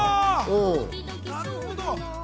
なるほど。